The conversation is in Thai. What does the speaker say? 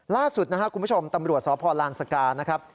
ล่าสุดนะครับคุณผู้ชมตำรวจสพลานสกานะครับ